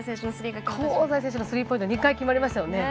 香西選手のスリーポイント２回決まりましたね。